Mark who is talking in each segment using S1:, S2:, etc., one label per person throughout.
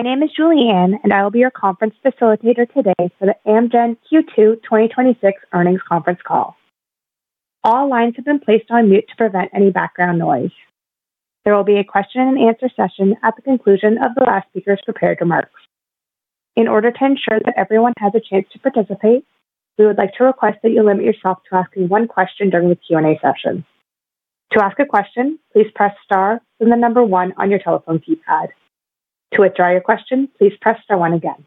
S1: My name is Julianne, and I will be your conference facilitator today for the Amgen Q2 2026 earnings conference call. All lines have been placed on mute to prevent any background noise. There will be a question and answer session at the conclusion of the last speaker's prepared remarks. In order to ensure that everyone has a chance to participate, we would like to request that you limit yourself to asking one question during the Q&A session. To ask a question, please press star, then the number one on your telephone keypad. To withdraw your question, please press star one again.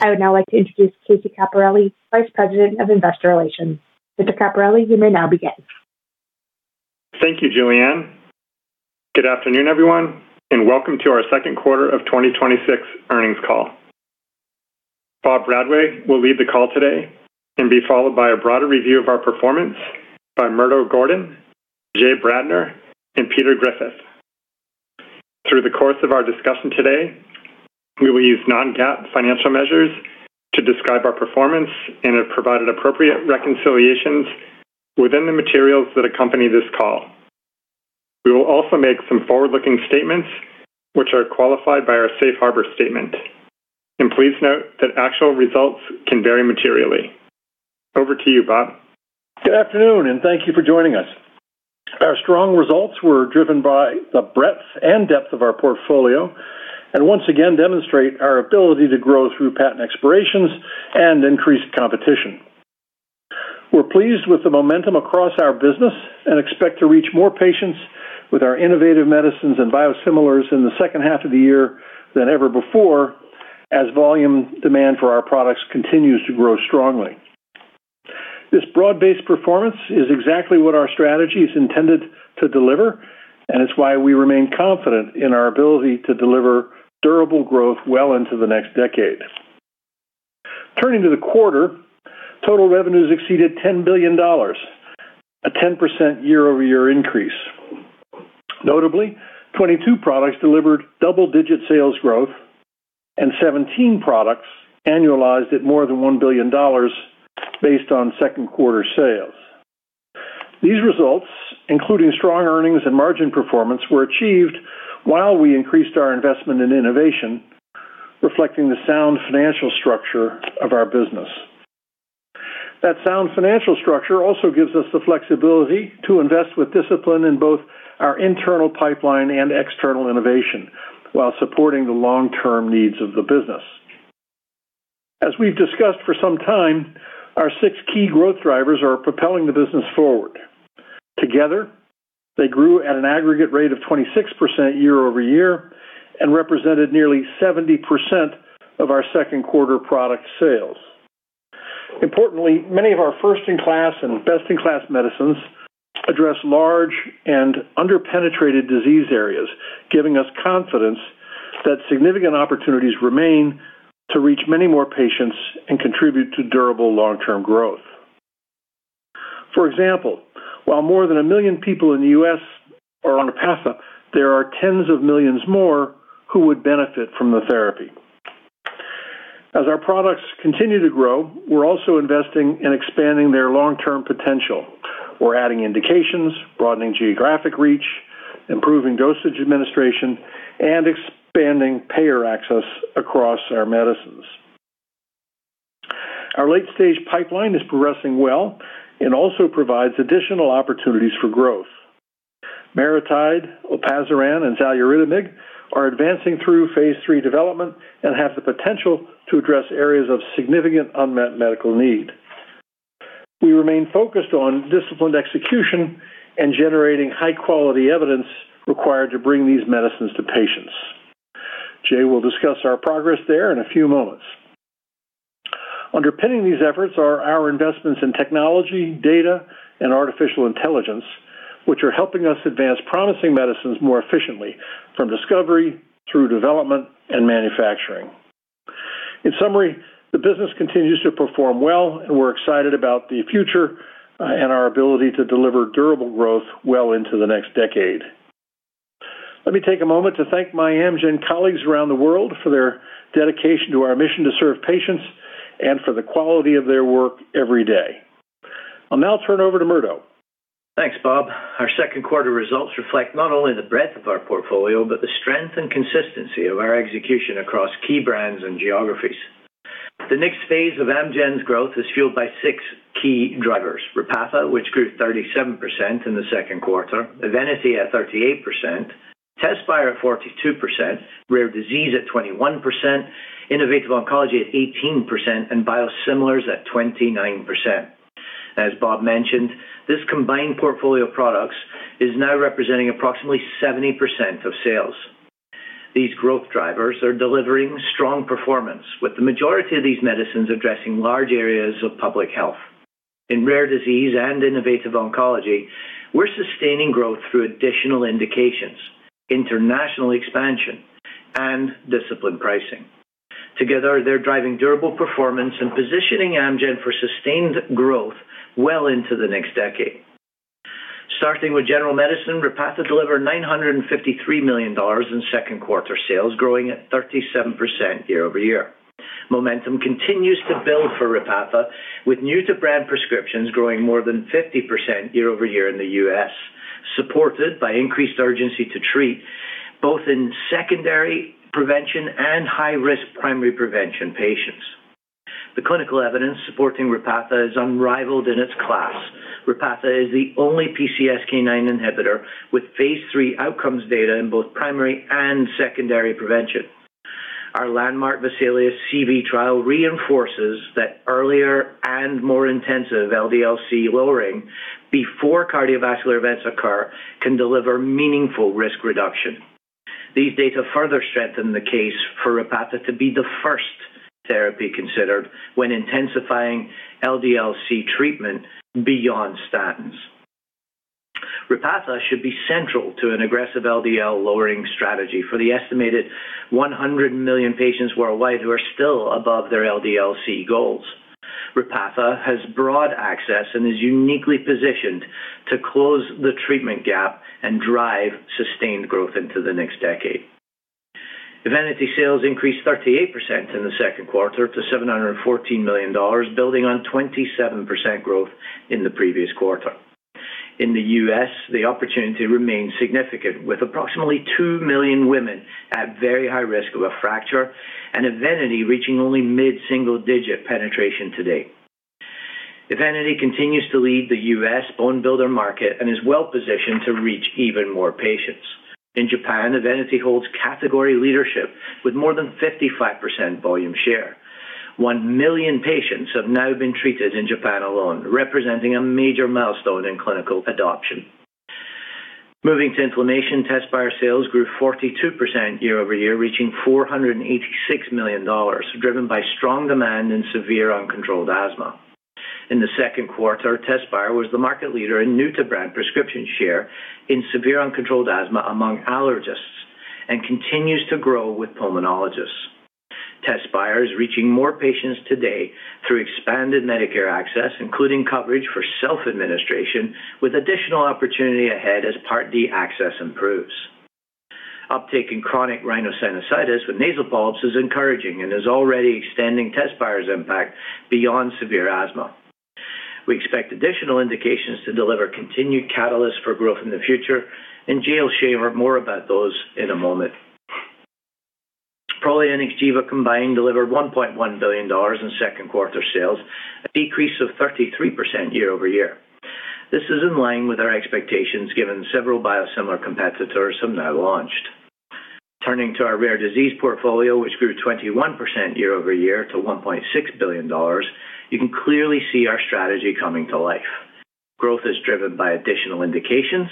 S1: I would now like to introduce Casey Caporilli, Vice President of Investor Relations. Mr. Caporilli, you may now begin.
S2: Thank you, Julianne. Good afternoon, everyone, welcome to our second quarter of 2026 earnings call. Bob Bradway will lead the call today, be followed by a broader review of our performance by Murdo Gordon, Jay Bradner, and Peter Griffith. Through the course of our discussion today, we will use non-GAAP financial measures to describe our performance and have provided appropriate reconciliations within the materials that accompany this call. We will also make some forward-looking statements which are qualified by our Safe Harbor statement, please note that actual results can vary materially. Over to you, Bob.
S3: Good afternoon, thank you for joining us. Our strong results were driven by the breadth and depth of our portfolio, once again demonstrate our ability to grow through patent expirations and increased competition. We're pleased with the momentum across our business, expect to reach more patients with our innovative medicines and biosimilars in the second half of the year than ever before, as volume demand for our products continues to grow strongly. This broad-based performance is exactly what our strategy is intended to deliver, it's why we remain confident in our ability to deliver durable growth well into the next decade. Turning to the quarter, total revenues exceeded $10 billion, a 10% year-over-year increase. Notably, 22 products delivered double-digit sales growth, 17 products annualized at more than $1 billion based on second quarter sales. These results, including strong earnings, margin performance, were achieved while we increased our investment in innovation, reflecting the sound financial structure of our business. That sound financial structure also gives us the flexibility to invest with discipline in both our internal pipeline and external innovation while supporting the long-term needs of the business. As we've discussed for some time, our six key growth drivers are propelling the business forward. Together, they grew at an aggregate rate of 26% year-over-year, represented nearly 70% of our second quarter product sales. Importantly, many of our first-in-class and best-in-class medicines address large and under-penetrated disease areas, giving us confidence that significant opportunities remain to reach many more patients and contribute to durable long-term growth. For example, while more than a million people in the U.S. are on Repatha, there are tens of millions more who would benefit from the therapy. As our products continue to grow, we're also investing in expanding their long-term potential. We're adding indications, broadening geographic reach, improving dosage administration, and expanding payer access across our medicines. Our late-stage pipeline is progressing well and also provides additional opportunities for growth. MariTide, olpasiran, and xaluritamig are advancing through phase III development and have the potential to address areas of significant unmet medical need. We remain focused on disciplined execution and generating high-quality evidence required to bring these medicines to patients. Jay will discuss our progress there in a few moments. Underpinning these efforts are our investments in technology, data, and artificial intelligence, which are helping us advance promising medicines more efficiently from discovery through development and manufacturing. In summary, the business continues to perform well, and we're excited about the future and our ability to deliver durable growth well into the next decade. Let me take a moment to thank my Amgen colleagues around the world for their dedication to our mission to serve patients and for the quality of their work every day. I'll now turn it over to Murdo.
S4: Thanks, Bob. Our second quarter results reflect not only the breadth of our portfolio, but the strength and consistency of our execution across key brands and geographies. The next phase of Amgen's growth is fueled by six key drivers, Repatha, which grew 37% in the second quarter, EVENITY at 38%, TEZSPIRE at 42%, rare disease at 21%, innovative oncology at 18%, and biosimilars at 29%. As Bob mentioned, this combined portfolio of products is now representing approximately 70% of sales. These growth drivers are delivering strong performance, with the majority of these medicines addressing large areas of public health. In rare disease and innovative oncology, we're sustaining growth through additional indications, international expansion, and disciplined pricing. Together, they're driving durable performance and positioning Amgen for sustained growth well into the next decade. Starting with general medicine, Repatha delivered $953 million in second quarter sales, growing at 37% year-over-year. Momentum continues to build for Repatha, with new-to-brand prescriptions growing more than 50% year-over-year in the U.S., supported by increased urgency to treat, both in secondary prevention and high-risk primary prevention patients. The clinical evidence supporting Repatha is unrivaled in its class. Repatha is the only PCSK9 inhibitor with phase III outcomes data in both primary and secondary prevention. Our landmark VESALIUS-CV trial reinforces that earlier and more intensive LDL-C lowering before cardiovascular events occur can deliver meaningful risk reduction. These data further strengthen the case for Repatha to be the first therapy considered when intensifying LDL-C treatment beyond statins. Repatha should be central to an aggressive LDL-lowering strategy for the estimated 100 million patients worldwide who are still above their LDL-C goals. Repatha has broad access and is uniquely positioned to close the treatment gap and drive sustained growth into the next decade. EVENITY sales increased 38% in the second quarter to $714 million, building on 27% growth in the previous quarter. In the U.S., the opportunity remains significant, with approximately 2 million women at very high risk of a fracture and EVENITY reaching only mid-single-digit penetration to date. EVENITY continues to lead the U.S. bone builder market and is well-positioned to reach even more patients. In Japan, EVENITY holds category leadership with more than 55% volume share. 1 million patients have now been treated in Japan alone, representing a major milestone in clinical adoption. Moving to inflammation, TEZSPIRE sales grew 42% year-over-year, reaching $486 million, driven by strong demand in severe uncontrolled asthma. In the second quarter, TEZSPIRE was the market leader in new-to-brand prescription share in severe uncontrolled asthma among allergists and continues to grow with pulmonologists. TEZSPIRE is reaching more patients today through expanded Medicare access, including coverage for self-administration, with additional opportunity ahead as Medicare Part D access improves. Uptake in chronic rhinosinusitis with nasal polyps is encouraging and is already extending TEZSPIRE's impact beyond severe asthma. We expect additional indications to deliver continued catalysts for growth in the future, and Jay will share more about those in a moment. Prolia and XGEVA combined delivered $1.1 billion in second quarter sales, a decrease of 33% year-over-year. This is in line with our expectations, given several biosimilar competitors have now launched. Turning to our rare disease portfolio, which grew 21% year-over-year to $1.6 billion, you can clearly see our strategy coming to life. Growth is driven by additional indications,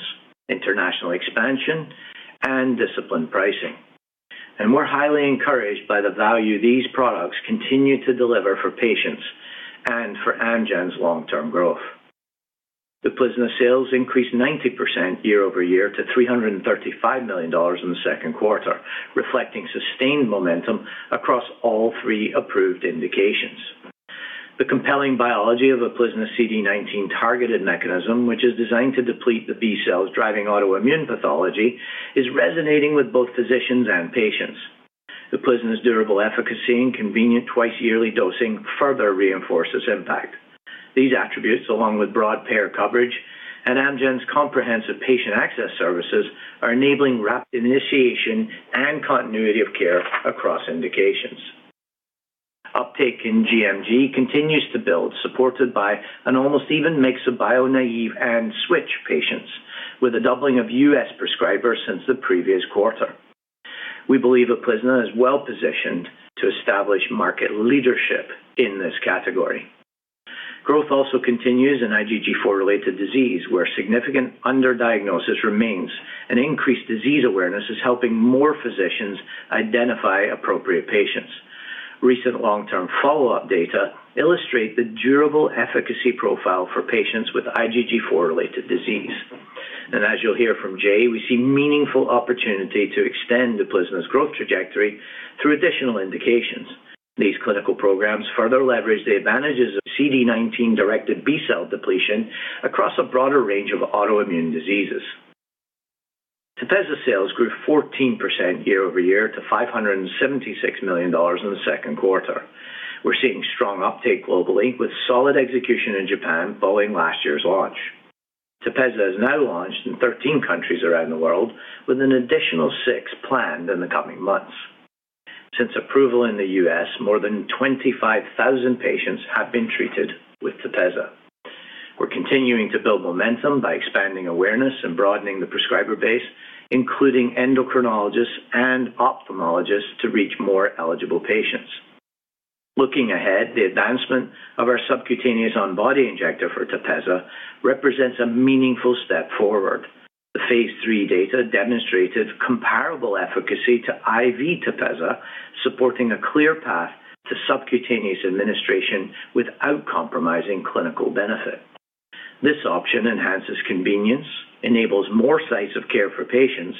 S4: international expansion, and disciplined pricing. We're highly encouraged by the value these products continue to deliver for patients and for Amgen's long-term growth. UPLIZNA sales increased 90% year-over-year to $335 million in the second quarter, reflecting sustained momentum across all three approved indications. The compelling biology of UPLIZNA's CD19-targeted mechanism, which is designed to deplete the B cells driving autoimmune pathology, is resonating with both physicians and patients. UPLIZNA's durable efficacy and convenient twice-yearly dosing further reinforce its impact. These attributes, along with broad payer coverage and Amgen's comprehensive patient access services, are enabling rapid initiation and continuity of care across indications. Uptake in gMG continues to build, supported by an almost even mix of bio-naive and switch patients, with a doubling of U.S. prescribers since the previous quarter. We believe UPLIZNA is well-positioned to establish market leadership in this category. Growth also continues in IgG4-related disease, where significant underdiagnosis remains. Increased disease awareness is helping more physicians identify appropriate patients. Recent long-term follow-up data illustrate the durable efficacy profile for patients with IgG4-related disease. As you'll hear from Jay, we see meaningful opportunity to extend UPLIZNA's growth trajectory through additional indications. These clinical programs further leverage the advantages of CD19-directed B-cell depletion across a broader range of autoimmune diseases. TEPEZZA sales grew 14% year-over-year to $576 million in the second quarter. We're seeing strong uptake globally, with solid execution in Japan following last year's launch. TEPEZZA is now launched in 13 countries around the world, with an additional 6 planned in the coming months. Since approval in the U.S., more than 25,000 patients have been treated with TEPEZZA. We're continuing to build momentum by expanding awareness and broadening the prescriber base, including endocrinologists and ophthalmologists, to reach more eligible patients. Looking ahead, the advancement of our subcutaneous on-body injector for TEPEZZA represents a meaningful step forward. The phase III data demonstrated comparable efficacy to IV TEPEZZA, supporting a clear path to subcutaneous administration without compromising clinical benefit. This option enhances convenience, enables more sites of care for patients,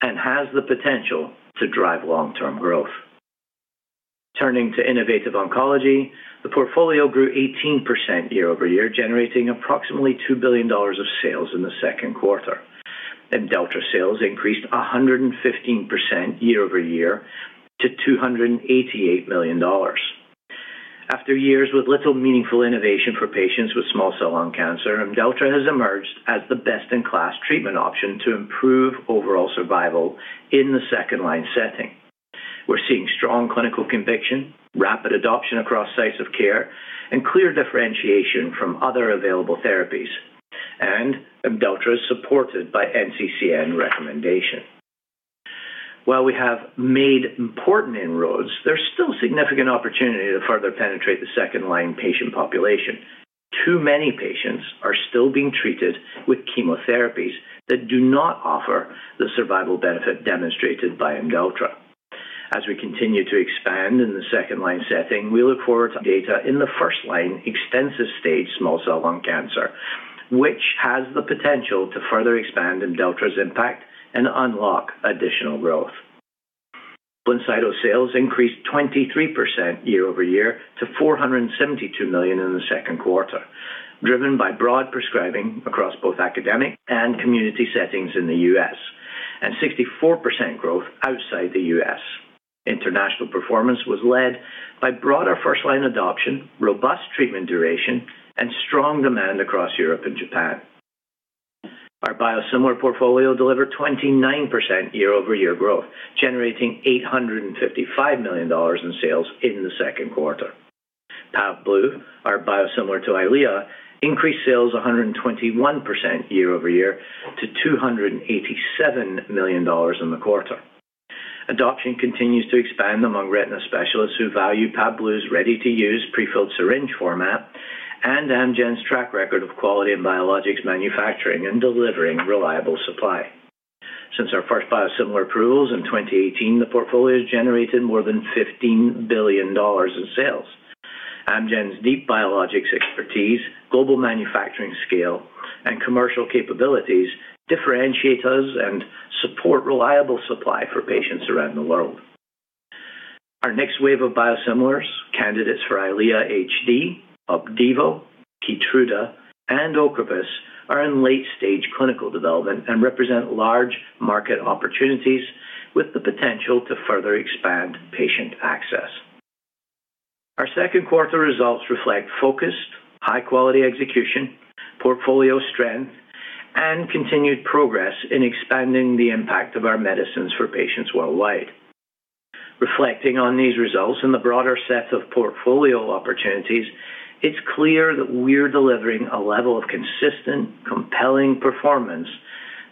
S4: and has the potential to drive long-term growth. Innovative oncology, the portfolio grew 18% year-over-year, generating approximately $2 billion of sales in the second quarter. IMDELLTRA sales increased 115% year-over-year to $288 million. After years with little meaningful innovation for patients with small cell lung cancer, IMDELLTRA has emerged as the best-in-class treatment option to improve overall survival in the second-line setting. We are seeing strong clinical conviction, rapid adoption across sites of care, and clear differentiation from other available therapies, and IMDELLTRA is supported by NCCN recommendation. While we have made important inroads, there is still significant opportunity to further penetrate the second-line patient population. Too many patients are still being treated with chemotherapies that do not offer the survival benefit demonstrated by IMDELLTRA. As we continue to expand in the second-line setting, we look forward to data in the first-line extensive-stage small cell lung cancer, which has the potential to further expand IMDELLTRA's impact and unlock additional growth. BLINCYTO sales increased 23% year-over-year to $472 million in the second quarter, driven by broad prescribing across both academic and community settings in the U.S., and 64% growth outside the U.S. International performance was led by broader first-line adoption, robust treatment duration, and strong demand across Europe and Japan. Our biosimilar portfolio delivered 29% year-over-year growth, generating $855 million in sales in the second quarter. PAVBLU, our biosimilar to EYLEA, increased sales 121% year-over-year to $287 million in the quarter. Adoption continues to expand among retina specialists who value PAVBLU's ready-to-use prefilled syringe format and Amgen's track record of quality in biologics manufacturing and delivering reliable supply. Since our first biosimilar approvals in 2018, the portfolio has generated more than $15 billion in sales. Amgen's deep biologics expertise, global manufacturing scale, and commercial capabilities differentiate us and support reliable supply for patients around the world. Our next wave of biosimilars, candidates for EYLEA HD, OPDIVO, KEYTRUDA, and OCREVUS, are in late-stage clinical development and represent large market opportunities with the potential to further expand patient access. Our second quarter results reflect focused, high-quality execution, portfolio strength, and continued progress in expanding the impact of our medicines for patients worldwide. Reflecting on these results and the broader set of portfolio opportunities, it is clear that we are delivering a level of consistent, compelling performance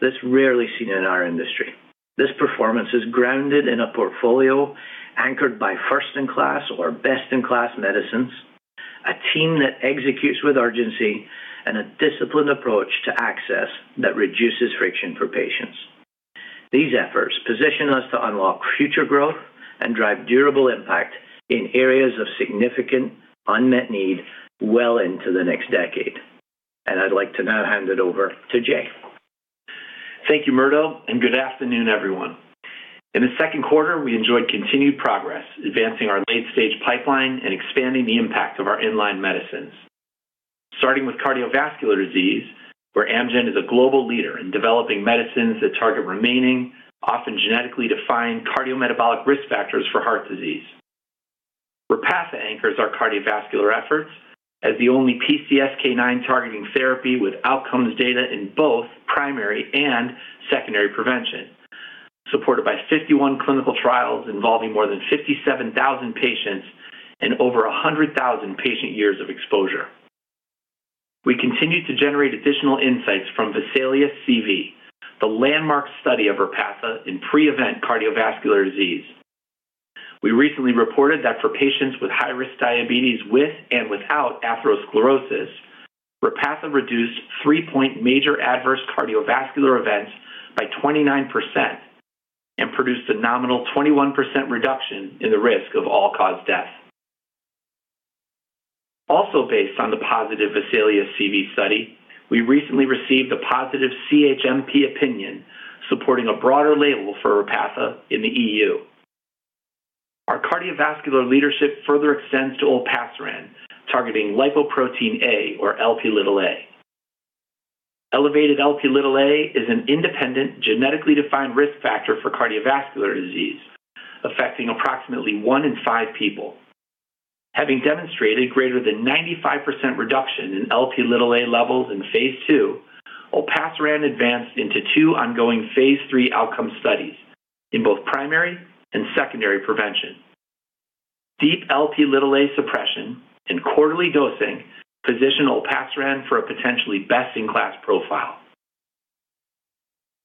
S4: that is rarely seen in our industry. This performance is grounded in a portfolio anchored by first-in-class or best-in-class medicines, a team that executes with urgency, and a disciplined approach to access that reduces friction for patients. These efforts position us to unlock future growth and drive durable impact in areas of significant unmet need well into the next decade. I would like to now hand it over to Jay.
S5: Thank you, Murdo, and good afternoon, everyone. In the second quarter, we enjoyed continued progress, advancing our late-stage pipeline and expanding the impact of our in-line medicines. Starting with cardiovascular disease, where Amgen is a global leader in developing medicines that target remaining, often genetically defined cardiometabolic risk factors for heart disease. Repatha anchors our cardiovascular efforts as the only PCSK9 targeting therapy with outcomes data in both primary and secondary prevention, supported by 51 clinical trials involving more than 57,000 patients and over 100,000 patient years of exposure. We continue to generate additional insights from VESALIUS-CV, the landmark study of Repatha in pre-event cardiovascular disease. We recently reported that for patients with high-risk diabetes with and without atherosclerosis, Repatha reduced three-point major adverse cardiovascular events by 29% and produced a nominal 21% reduction in the risk of all-cause death. Also based on the positive VESALIUS-CV study, we recently received a positive CHMP opinion supporting a broader label for Repatha in the E.U. Our cardiovascular leadership further extends to olpasiran, targeting lipoprotein A or Lp(a). Elevated Lp(a) is an independent, genetically defined risk factor for cardiovascular disease, affecting approximately one in five people. Having demonstrated greater than 95% reduction in Lp(a) levels in phase II, olpasiran advanced into two ongoing phase III outcome studies in both primary and secondary prevention. Deep Lp(a) suppression and quarterly dosing position olpasiran for a potentially best-in-class profile.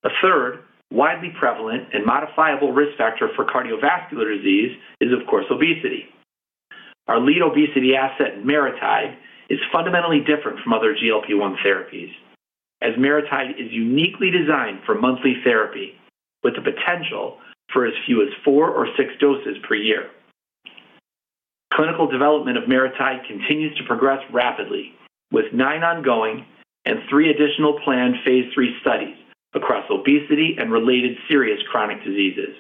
S5: A third widely prevalent and modifiable risk factor for cardiovascular disease is, of course, obesity. Our lead obesity asset, MariTide, is fundamentally different from other GLP-1 therapies, as MariTide is uniquely designed for monthly therapy with the potential for as few as four or six doses per year. Clinical development of MariTide continues to progress rapidly, with nine ongoing and three additional planned phase III studies across obesity and related serious chronic diseases.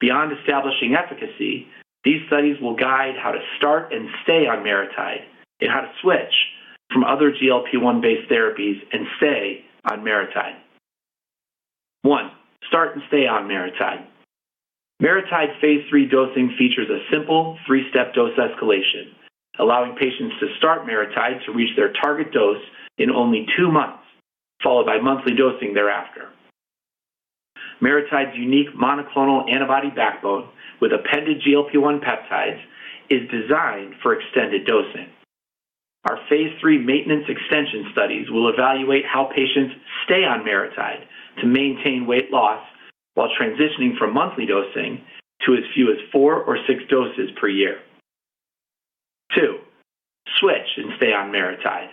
S5: Beyond establishing efficacy, these studies will guide how to start and stay on MariTide, and how to switch from other GLP-1 based therapies and stay on MariTide. One, start and stay on MariTide. MariTide phase III dosing features a simple three-step dose escalation, allowing patients to start MariTide to reach their target dose in only two months, followed by monthly dosing thereafter. MariTide's unique monoclonal antibody backbone with appended GLP-1 peptides is designed for extended dosing. Our phase III maintenance extension studies will evaluate how patients stay on MariTide to maintain weight loss while transitioning from monthly dosing to as few as four or six doses per year. Two, switch and stay on MariTide.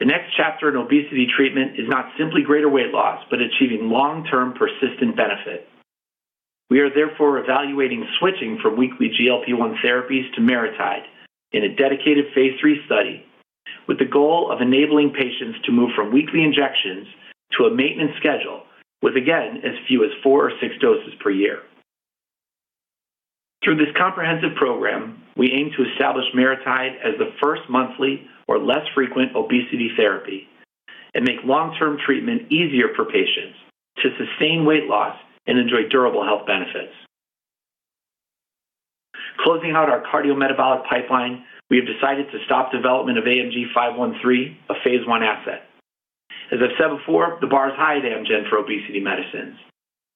S5: The next chapter in obesity treatment is not simply greater weight loss, but achieving long-term persistent benefit. We are therefore evaluating switching from weekly GLP-1 therapies to MariTide in a dedicated phase III study with the goal of enabling patients to move from weekly injections to a maintenance schedule with, again, as few as four or six doses per year. Through this comprehensive program, we aim to establish MariTide as the first monthly or less frequent obesity therapy and make long-term treatment easier for patients to sustain weight loss and enjoy durable health benefits. Closing out our cardiometabolic pipeline, we have decided to stop development of AMG 513, a phase I asset. As I've said before, the bar is high at Amgen for obesity medicines.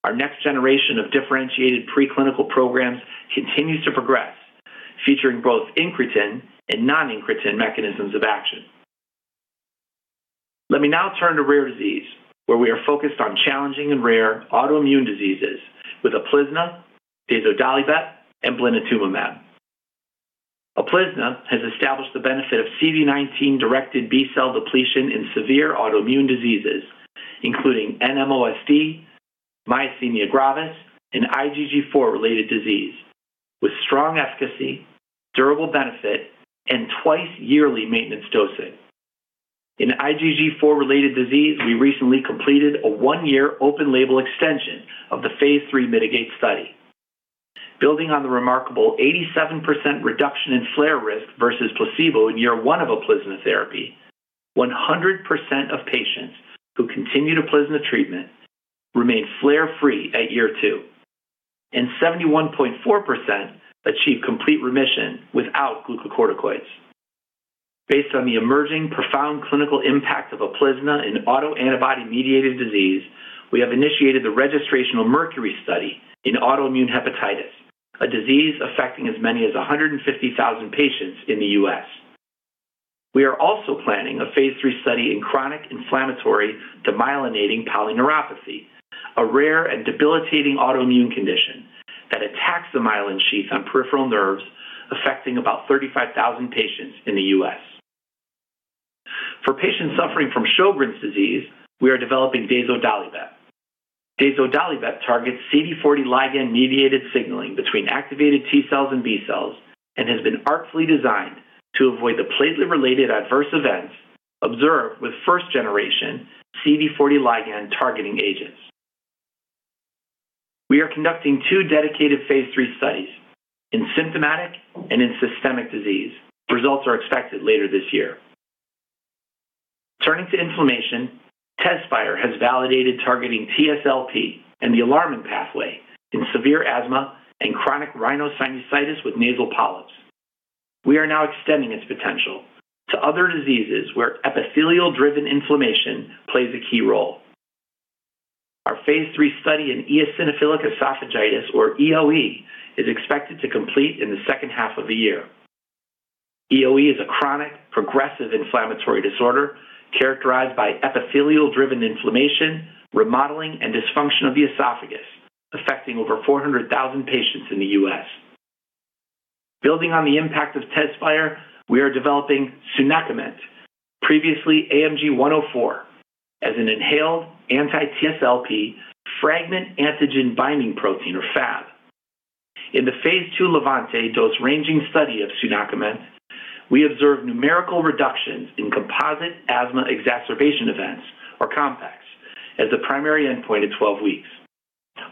S5: Our next generation of differentiated preclinical programs continues to progress, featuring both incretin and non-incretin mechanisms of action. Let me now turn to rare disease, where we are focused on challenging and rare autoimmune diseases with UPLIZNA, dazodalibep, and blinatumomab. UPLIZNA has established the benefit of CD19-directed B-cell depletion in severe autoimmune diseases, including NMOSD, myasthenia gravis, and IgG4-related disease, with strong efficacy, durable benefit, and twice-yearly maintenance dosing. In IgG4-related disease, we recently completed a one-year open-label extension of the phase III MITIGATE study. Building on the remarkable 87% reduction in flare risk versus placebo in year one of UPLIZNA therapy, 100% of patients who continued UPLIZNA treatment remained flare-free at year two, and 71.4% achieved complete remission without glucocorticoids. Based on the emerging profound clinical impact of UPLIZNA in autoantibody-mediated disease, we have initiated the registrational MERCURY study in autoimmune hepatitis, a disease affecting as many as 150,000 patients in the U.S. We are also planning a phase III study in chronic inflammatory demyelinating polyneuropathy, a rare and debilitating autoimmune condition that attacks the myelin sheaths on peripheral nerves, affecting about 35,000 patients in the U.S. For patients suffering from Sjögren's disease, we are developing dazodalibep. Dazodalibep targets CD40 ligand-mediated signaling between activated T cells and B cells and has been artfully designed to avoid the platelet-related adverse events observed with first-generation CD40 ligand-targeting agents. We are conducting two dedicated phase III studies in symptomatic and in systemic disease. Results are expected later this year. Turning to inflammation, TEZSPIRE has validated targeting TSLP and the alarmin pathway in severe asthma and chronic rhinosinusitis with nasal polyps. We are now extending its potential to other diseases where epithelial-driven inflammation plays a key role. Our phase III study in eosinophilic esophagitis, or EoE, is expected to complete in the second half of the year. EoE is a chronic, progressive inflammatory disorder characterized by epithelial-driven inflammation, remodeling, and dysfunction of the esophagus, affecting over 400,000 patients in the U.S. Building on the impact of TEZSPIRE, we are developing sunakiment, previously AMG 104, as an inhaled anti-TSLP fragment antigen binding protein, or Fab. In the phase II LEVANTE dose-ranging study of sunakiment, we observed numerical reductions in composite asthma exacerbation events, or CompEx, as the primary endpoint at 12 weeks.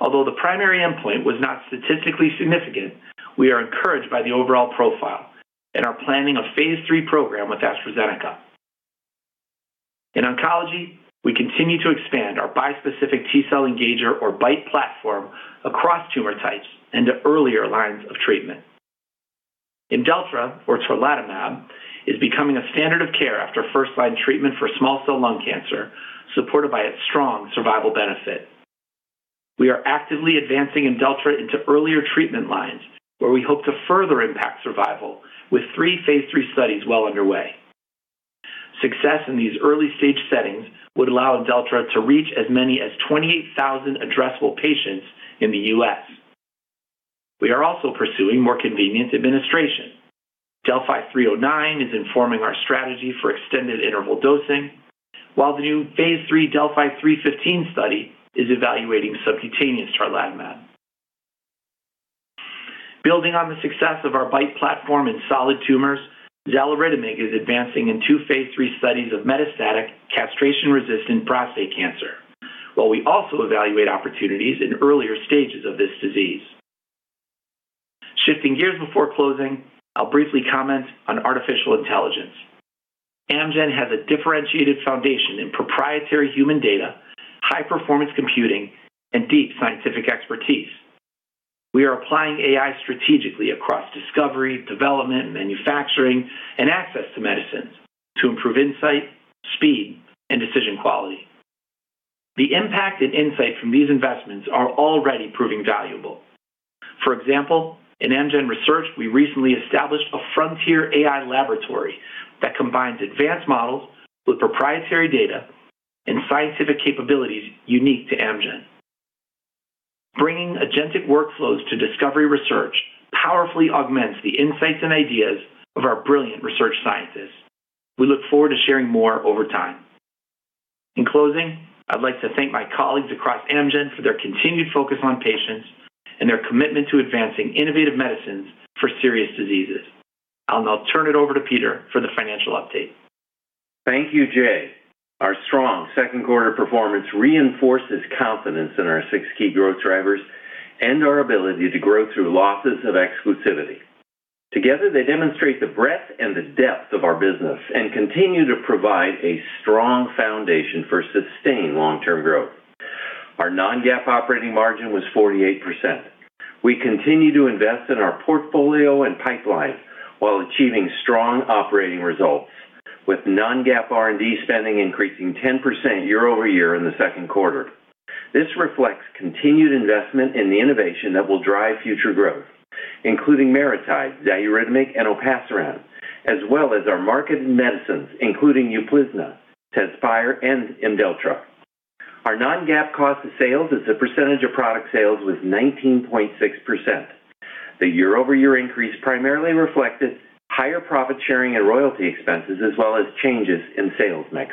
S5: Although the primary endpoint was not statistically significant, we are encouraged by the overall profile and are planning a phase III program with AstraZeneca. In oncology, we continue to expand our bispecific T-cell engager, or BiTE platform, across tumor types into earlier lines of treatment. IMDELLTRA, or tarlatamab, is becoming a standard of care after first-line treatment for small cell lung cancer, supported by its strong survival benefit. We are actively advancing IMDELLTRA into earlier treatment lines, where we hope to further impact survival with three phase III studies well underway. Success in these early-stage settings would allow IMDELLTRA to reach as many as 28,000 addressable patients in the U.S. We are also pursuing more convenient administration. DeLLphi-309 is informing our strategy for extended interval dosing, while the new phase III DeLLphi-315 study is evaluating subcutaneous tarlatamab. Building on the success of our BiTE platform in solid tumors, xaluritamig is advancing in two phase III studies of metastatic castration-resistant prostate cancer, while we also evaluate opportunities in earlier stages of this disease. Shifting gears before closing, I'll briefly comment on artificial intelligence. Amgen has a differentiated foundation in proprietary human data, high-performance computing, and deep scientific expertise. We are applying AI strategically across discovery, development, manufacturing, and access to medicines to improve insight, speed, and decision quality. The impact and insight from these investments are already proving valuable. For example, in Amgen research, we recently established a frontier AI laboratory that combines advanced models with proprietary data and scientific capabilities unique to Amgen. Bringing agentic workflows to discovery research powerfully augments the insights and ideas of our brilliant research scientists. We look forward to sharing more over time. In closing, I'd like to thank my colleagues across Amgen for their continued focus on patients and their commitment to advancing innovative medicines for serious diseases. I'll now turn it over to Peter for the financial update.
S6: Thank you, Jay. Our strong second quarter performance reinforces confidence in our six key growth drivers and our ability to grow through losses of exclusivity. Together, they demonstrate the breadth and the depth of our business and continue to provide a strong foundation for sustained long-term growth. Our non-GAAP operating margin was 48%. We continue to invest in our portfolio and pipeline while achieving strong operating results, with non-GAAP R&D spending increasing 10% year-over-year in the second quarter. This reflects continued investment in the innovation that will drive future growth, including MariTide, xaluritamig, and olpasiran, as well as our marketed medicines, including UPLIZNA, TEZSPIRE, and IMDELLTRA. Our non-GAAP cost of sales as a percentage of product sales was 19.6%. The year-over-year increase primarily reflected higher profit sharing and royalty expenses, as well as changes in sales mix.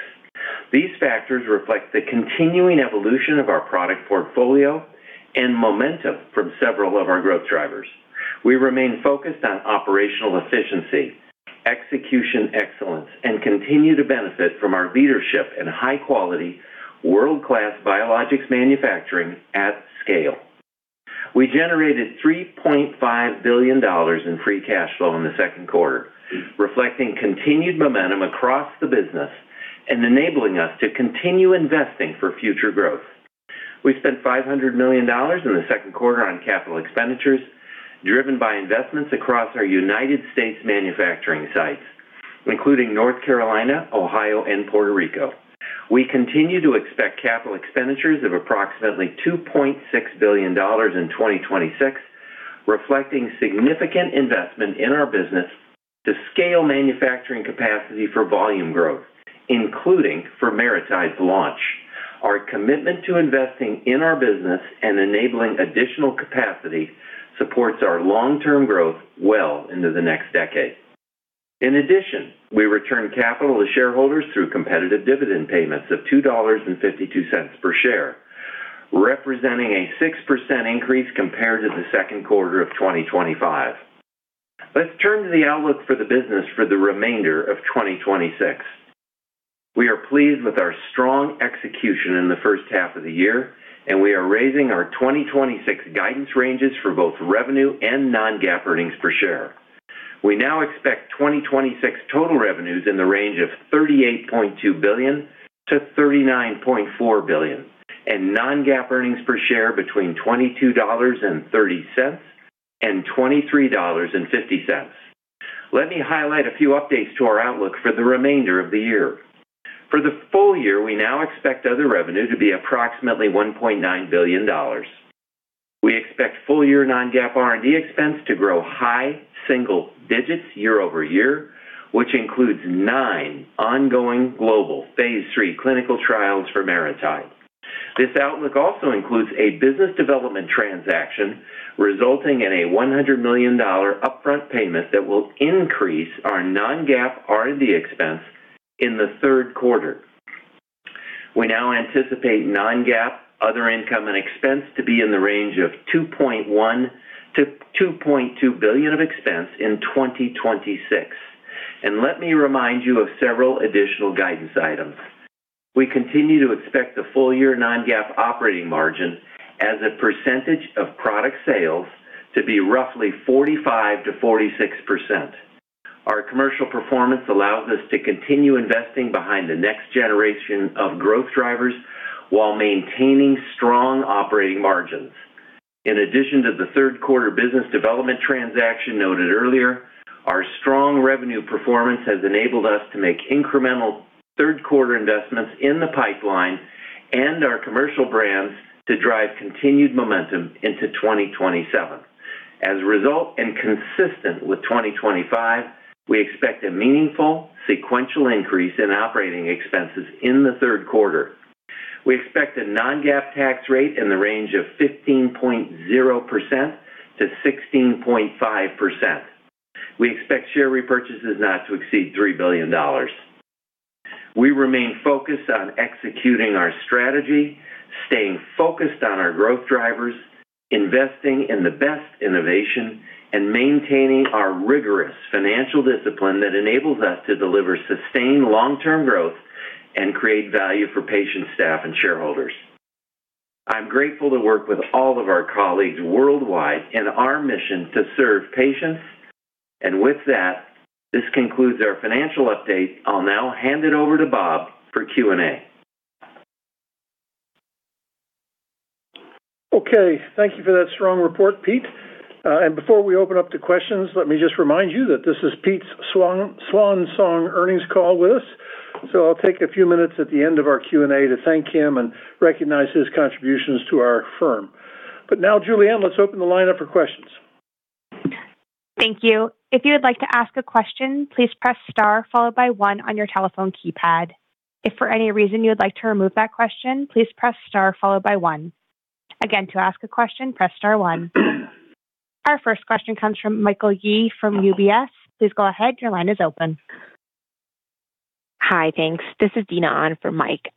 S6: These factors reflect the continuing evolution of our product portfolio and momentum from several of our growth drivers. We remain focused on operational efficiency, execution excellence, and continue to benefit from our leadership in high-quality, world-class biologics manufacturing at scale. We generated $3.5 billion in free cash flow in the second quarter, reflecting continued momentum across the business and enabling us to continue investing for future growth. We spent $500 million in the second quarter on capital expenditures, driven by investments across our United States manufacturing sites, including North Carolina, Ohio, and Puerto Rico. We continue to expect capital expenditures of approximately $2.6 billion in 2026, reflecting significant investment in our business to scale manufacturing capacity for volume growth, including for MariTide's launch. Our commitment to investing in our business and enabling additional capacity supports our long-term growth well into the next decade. In addition, we return capital to shareholders through competitive dividend payments of $2.52 per share, representing a 6% increase compared to the second quarter of 2025. Let's turn to the outlook for the business for the remainder of 2026. We are pleased with our strong execution in the first half of the year. We are raising our 2026 guidance ranges for both revenue and non-GAAP earnings per share. We now expect 2026 total revenues in the range of $38.2 billion-$39.4 billion and non-GAAP earnings per share between $22.30 and $23.50. Let me highlight a few updates to our outlook for the remainder of the year. For the full year, we now expect other revenue to be approximately $1.9 billion. We expect full year non-GAAP R&D expense to grow high single digits year-over-year, which includes nine ongoing global phase III clinical trials for MariTide. This outlook also includes a business development transaction resulting in a $100 million upfront payment that will increase our non-GAAP R&D expense in the third quarter. We now anticipate non-GAAP other income and expense to be in the range of $2.1 billion-$2.2 billion of expense in 2026. Let me remind you of several additional guidance items. We continue to expect the full year non-GAAP operating margin as a percentage of product sales to be roughly 45%-46%. Our commercial performance allows us to continue investing behind the next generation of growth drivers while maintaining strong operating margins. In addition to the third quarter business development transaction noted earlier, our strong revenue performance has enabled us to make incremental third quarter investments in the pipeline and our commercial brands to drive continued momentum into 2027. As a result, consistent with 2025, we expect a meaningful sequential increase in operating expenses in the third quarter. We expect a non-GAAP tax rate in the range of 15.0%-16.5%. We expect share repurchases not to exceed $3 billion. We remain focused on executing our strategy, staying focused on our growth drivers, investing in the best innovation, and maintaining our rigorous financial discipline that enables us to deliver sustained long-term growth and create value for patients, staff, and shareholders. I'm grateful to work with all of our colleagues worldwide in our mission to serve patients. With that, this concludes our financial update. I'll now hand it over to Bob for Q&A.
S3: Okay, thank you for that strong report, Pete. Before we open up to questions, let me just remind you that this is Pete's swan song earnings call with us. I'll take a few minutes at the end of our Q&A to thank him and recognize his contributions to our firm. Now, Julianne, let's open the line up for questions.
S1: Thank you. If you would like to ask a question, please press star, followed by one on your telephone keypad. If for any reason you would like to remove that question, please press star followed by one. Again, to ask a question, press star one. Our first question comes from Michael Yee from UBS. Please go ahead. Your line is open.
S7: Hi. Thanks. This is Dina on for Mike.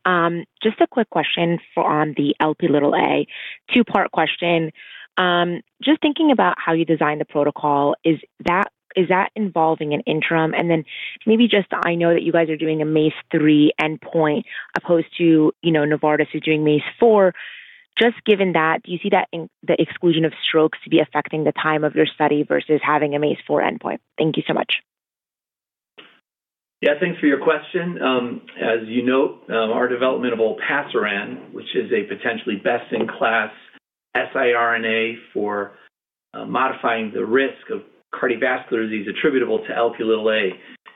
S7: Just a quick question on the Lp(a). Two-part question. Just thinking about how you design the protocol, is that involving an interim? Maybe just, I know that you guys are doing a MACE-3 endpoint as opposed to Novartis who are doing MACE 4. Given that, do you see the exclusion of strokes to be affecting the time of your study versus having a MACE 4 endpoint? Thank you so much.
S5: Thanks for your question. As you note, our development of olpasiran, which is a potentially best-in-class siRNA for modifying the risk of cardiovascular disease attributable to Lp(a).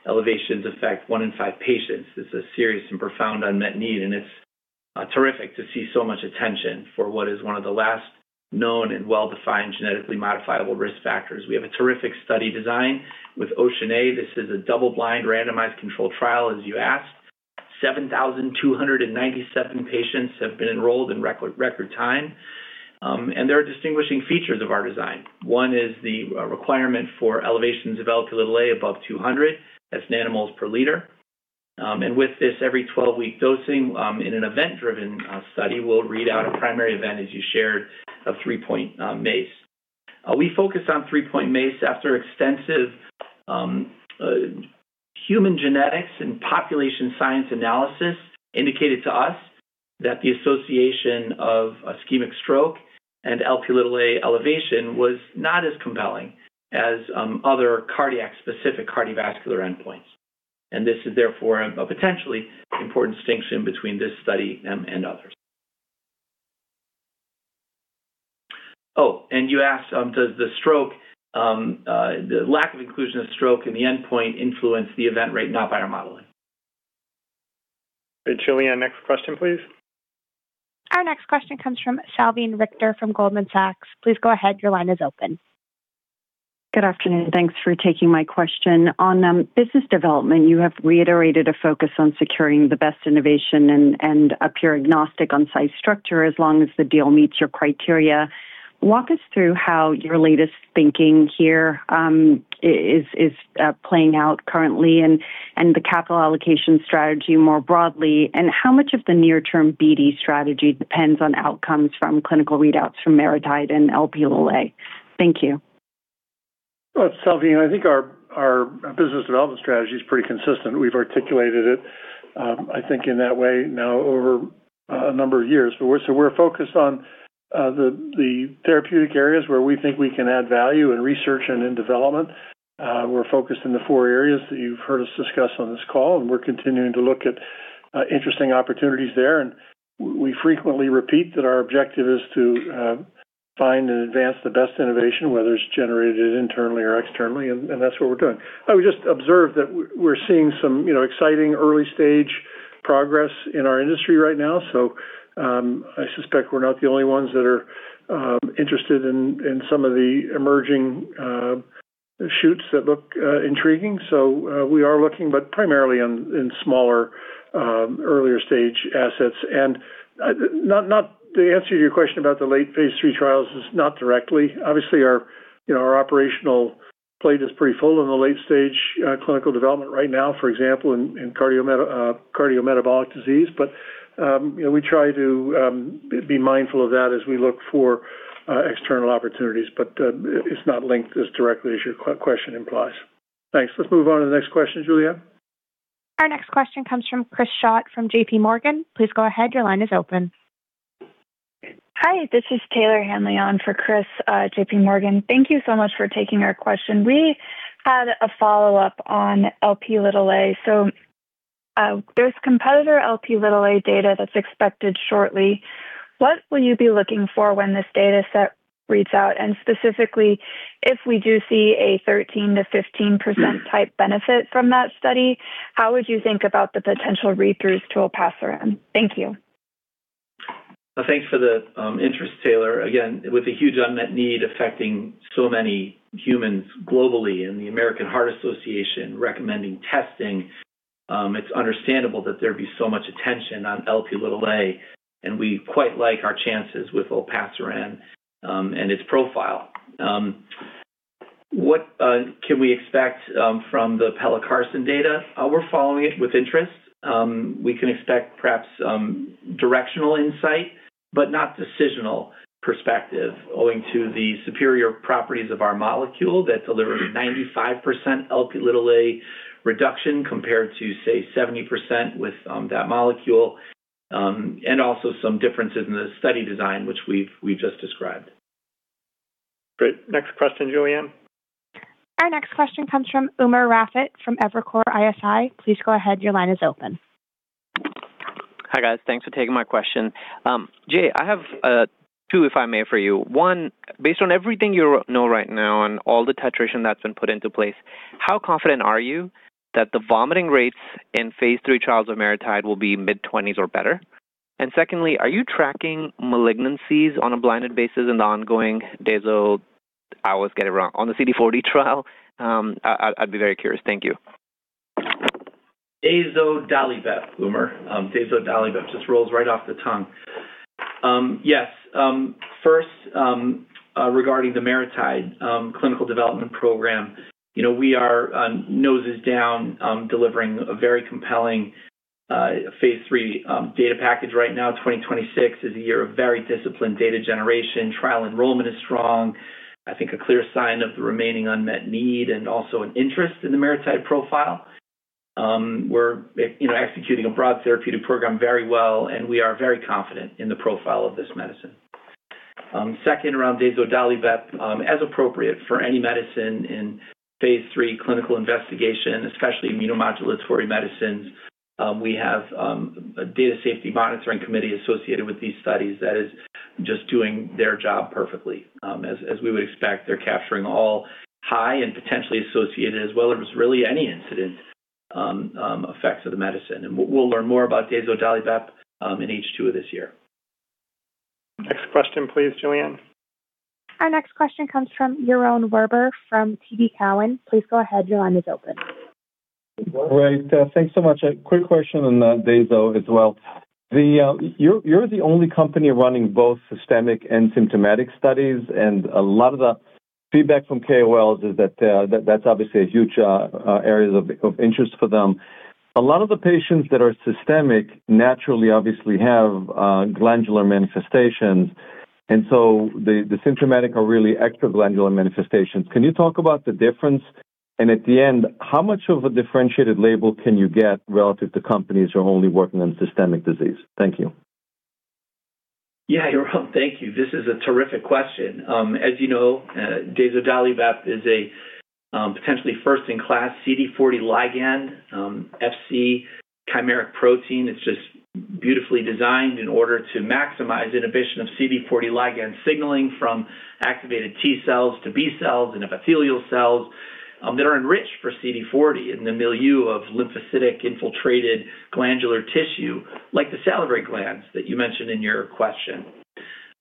S5: Elevations affect one in five patients. This is a serious and profound unmet need, and it's terrific to see so much attention for what is one of the last known and well-defined genetically modifiable risk factors. We have a terrific study design with OCEAN(a). This is a double-blind, randomized controlled trial, as you asked. 7,297 patients have been enrolled in record time. There are distinguishing features of our design. One is the requirement for elevations of Lp(a) above 200. That's nanomoles per liter. With this every 12-week dosing, in an event-driven study, we'll read out a primary event, as you shared, of 3-point MACE. We focused on 3-point MACE after extensive human genetics and population science analysis indicated to us that the association of ischemic stroke and Lp(a) elevation was not as compelling as other cardiac-specific cardiovascular endpoints. This is therefore a potentially important distinction between this study and others. You asked, does the lack of inclusion of stroke in the endpoint influence the event rate? Not by our modeling.
S2: Hey, Julianne, next question, please.
S1: Our next question comes from Salveen Richter from Goldman Sachs. Please go ahead. Your line is open.
S8: Good afternoon. Thanks for taking my question. On business development, you have reiterated a focus on securing the best innovation and appear agnostic on site structure as long as the deal meets your criteria. Walk us through how your latest thinking here is playing out currently and the capital allocation strategy more broadly, and how much of the near-term BD strategy depends on outcomes from clinical readouts from MariTide and Lp(a)? Thank you.
S3: Well, Salveen, I think our business development strategy is pretty consistent. We've articulated it, I think in that way now over a number of years. We're focused on the therapeutic areas where we think we can add value in research and in development. We're focused in the four areas that you've heard us discuss on this call, and we're continuing to look at interesting opportunities there. We frequently repeat that our objective is to find and advance the best innovation, whether it's generated internally or externally, and that's what we're doing. I would just observe that we're seeing some exciting early-stage progress in our industry right now. I suspect we're not the only ones that are interested in some of the emerging shoots that look intriguing. We are looking, but primarily in smaller, earlier-stage assets. To answer your question about the late phase III trials, it is not directly. Obviously, our operational plate is pretty full in the late-stage clinical development right now, for example, in cardiometabolic disease. We try to be mindful of that as we look for external opportunities. It is not linked as directly as your question implies. Thanks. Let us move on to the next question, Julianne.
S1: Our next question comes from Chris Schott from JPMorgan. Please go ahead. Your line is open.
S9: Hi. This is Taylor Hanley on for Chris, JPMorgan. Thank you so much for taking our question. We had a follow-up on Lp(a). There is competitor Lp(a) data that is expected shortly. What will you be looking for when this data set reads out? And specifically, if we do see a 13%-15%-type benefit from that study, how would you think about the potential read-throughs to olpasiran? Thank you.
S5: Thanks for the interest, Taylor. Again, with a huge unmet need affecting so many humans globally and the American Heart Association recommending testing, it is understandable that there would be so much attention on Lp(a), and we quite like our chances with olpasiran and its profile. What can we expect from the pelacarsen data? We are following it with interest. We can expect perhaps some directional insight, but not decisional perspective owing to the superior properties of our molecule that deliver 95% Lp(a) reduction compared to, say, 70% with that molecule. Also some differences in the study design, which we have just described. Great. Next question, Julianne.
S1: Our next question comes from Umer Raffat from Evercore ISI. Please go ahead. Your line is open.
S10: Hi, guys. Thanks for taking my question. Jay, I have two, if I may, for you. One, based on everything you know right now and all the titration that's been put into place, how confident are you that the vomiting rates in phase III trials of MariTide will be mid-20s or better? Secondly, are you tracking malignancies on a blinded basis in the ongoing dazodalibep, I always get it wrong, on the CD40 trial? I'd be very curious. Thank you.
S5: Dazodalibep, Umer. dazodalibep, just rolls right off the tongue. Yes. First, regarding the MariTide clinical development program, we are noses down delivering a very compelling phase III data package right now. 2026 is a year of very disciplined data generation. Trial enrollment is strong. I think a clear sign of the remaining unmet need and also an interest in the MariTide profile. We're executing a broad therapeutic program very well, and we are very confident in the profile of this medicine. Around dazodalibep, as appropriate for any medicine in phase III clinical investigation, especially immunomodulatory medicines, we have a data safety monitoring committee associated with these studies that is just doing their job perfectly. As we would expect, they're capturing all high and potentially associated as well as really any incident effects of the medicine. And we'll learn more about dazodalibep in H2 of this year.
S2: Next question please, Julianne.
S1: Our next question comes from Yaron Werber from TD Cowen. Please go ahead. Your line is open.
S11: Great. Thanks so much. A quick question on dazo as well. You're the only company running both systemic and symptomatic studies. A lot of the feedback from KOLs is that that's obviously a huge area of interest for them. A lot of the patients that are systemic naturally obviously have glandular manifestations. The symptomatic are really extraglandular manifestations. Can you talk about the difference? At the end, how much of a differentiated label can you get relative to companies who are only working on systemic disease? Thank you.
S5: Yeah, Yaron. Thank you. This is a terrific question. As you know, dazodalibep is a potentially first-in-class CD40 ligand FC chimeric protein. It's just beautifully designed in order to maximize inhibition of CD40 ligand signaling from activated T cells to B cells and epithelial cells that are enriched for CD40 in the milieu of lymphocytic infiltrated glandular tissue, like the salivary glands that you mentioned in your question.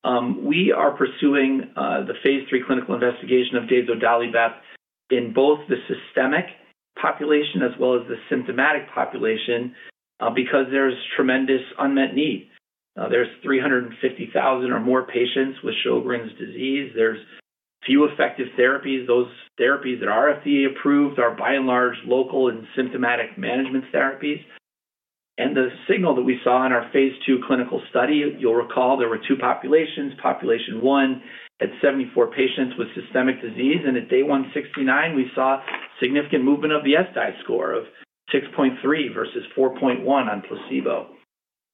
S5: We are pursuing the phase III clinical investigation of dazodalibep in both the systemic population as well as the symptomatic population because there's tremendous unmet need. There's 350,000 or more patients with Sjögren's disease. There's few effective therapies. Those therapies that are FDA approved are by and large local and symptomatic management therapies. The signal that we saw in our phase II clinical study, you'll recall there were two populations. Population 1 had 74 patients with systemic disease. At day 169, we saw significant movement of the ESSDAI score of 6.3 versus 4.1 on placebo.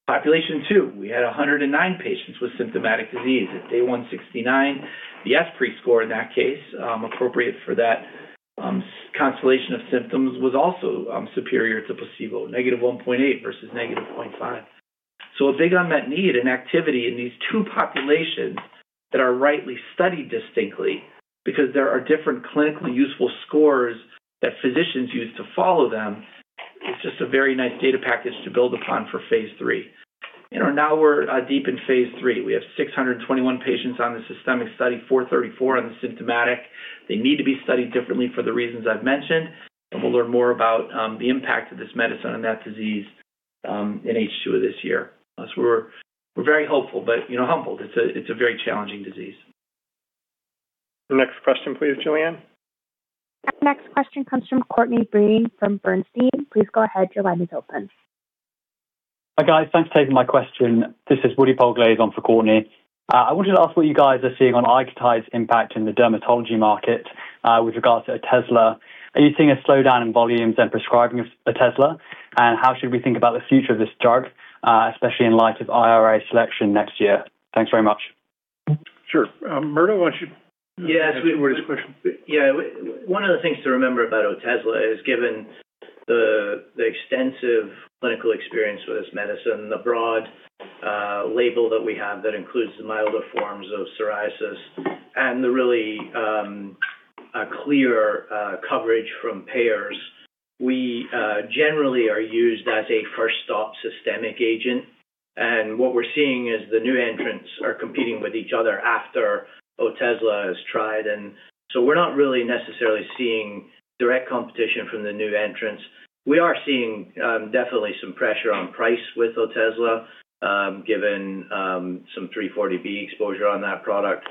S5: Population 2, we had 109 patients with symptomatic disease. At day 169, the ESSPRI score, in that case, appropriate for that constellation of symptoms, was also superior to placebo, -1.8 versus -0.5. A big unmet need and activity in these two populations that are rightly studied distinctly because there are different clinically useful scores that physicians use to follow them. It's just a very nice data package to build upon for phase III. Now we're deep in phase III. We have 621 patients on the systemic study, 434 on the symptomatic. They need to be studied differently for the reasons I've mentioned. We'll learn more about the impact of this medicine on that disease in H2 of this year. We're very hopeful, but humbled. It's a very challenging disease.
S2: Next question please, Julianne.
S1: Next question comes from Courtney Breen from Bernstein. Please go ahead. Your line is open.
S12: Hi, guys. Thanks for taking my question. This is Woody Polglase on for Courtney. I wanted to ask what you guys are seeing on ICOTYDE impact in the dermatology market with regards to Otezla. Are you seeing a slowdown in volumes and prescribing of Otezla? How should we think about the future of this drug, especially in light of IRA selection next year? Thanks very much.
S5: Sure. Murdo, why don't you answer this question?
S4: Yes, Woody. Yeah. One of the things to remember about Otezla is given the extensive clinical experience with this medicine, the broad label that we have that includes the milder forms of psoriasis, and the really clear coverage from payers, we generally are used as a first-stop systemic agent. What we're seeing is the new entrants are competing with each other after Otezla is tried. We're not really necessarily seeing direct competition from the new entrants. We are seeing definitely some pressure on price with Otezla given some 340B exposure on that product.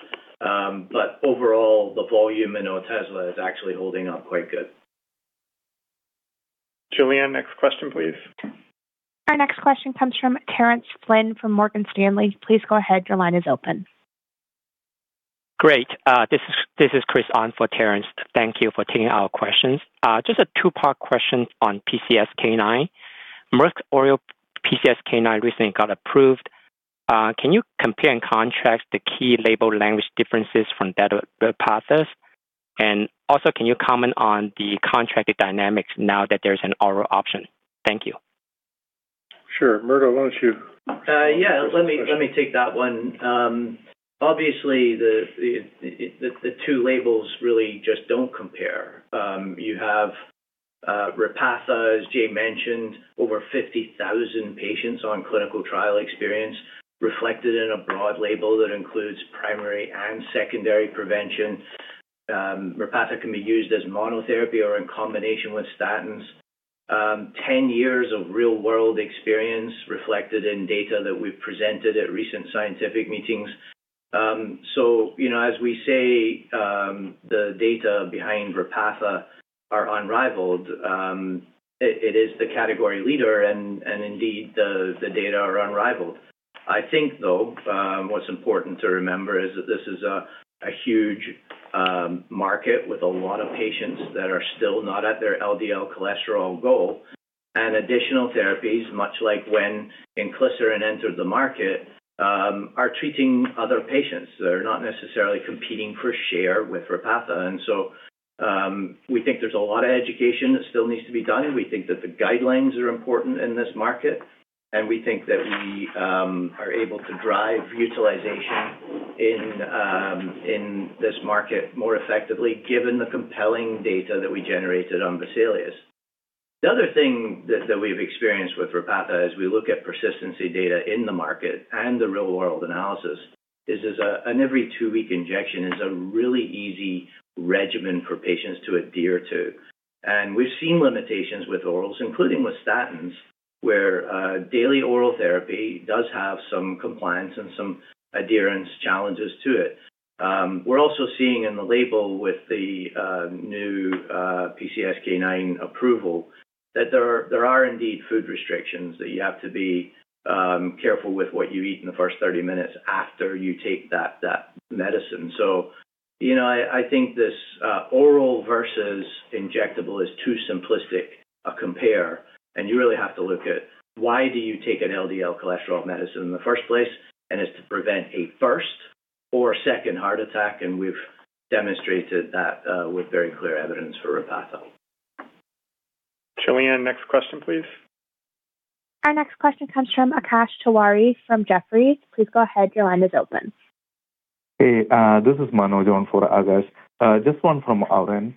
S4: Overall, the volume in Otezla is actually holding up quite good.
S2: Julianne, next question, please.
S1: Our next question comes from Terence Flynn from Morgan Stanley. Please go ahead. Your line is open.
S13: Great. This is Chris on for Terence. Thank you for taking our questions. Just a two-part question on PCSK9. Merck's oral PCSK9 recently got approved. Also, can you comment on the contracted dynamics now that there's an oral option? Thank you.
S2: Sure. Murdo, why don't you.
S4: Yeah. Let me take that one. Obviously, the two labels really just don't compare. You have Repatha, as Jay mentioned, over 50,000 patients on clinical trial experience reflected in a broad label that includes primary and secondary prevention. Repatha can be used as monotherapy or in combination with statins. Ten years of real-world experience reflected in data that we've presented at recent scientific meetings. As we say, the data behind Repatha are unrivaled. It is the category leader, and indeed, the data are unrivaled. I think, though, what's important to remember is that this is a huge market with a lot of patients that are still not at their LDL cholesterol goal. Additional therapies, much like when Inclisiran entered the market, are treating other patients. They're not necessarily competing for share with Repatha. We think there's a lot of education that still needs to be done. We think that the guidelines are important in this market, and we think that we are able to drive utilization in this market more effectively given the compelling data that we generated on VESALIUS. The other thing that we've experienced with Repatha as we look at persistency data in the market and the real-world analysis is an every two-week injection is a really easy regimen for patients to adhere to. We've seen limitations with orals, including with statins, where daily oral therapy does have some compliance and some adherence challenges to it. We're also seeing in the label with the new PCSK9 approval that there are indeed food restrictions, that you have to be careful with what you eat in the first 30 minutes after you take that medicine. I think this oral versus injectable is too simplistic a compare, and you really have to look at why do you take an LDL cholesterol medicine in the first place? It's to prevent a first or second heart attack, and we've demonstrated that with very clear evidence for Repatha.
S2: Julianne, next question, please.
S1: Our next question comes from Akash Tewari from Jefferies. Please go ahead. Your line is open.
S14: Hey, this is Manoj on for Akash. Just one from RN.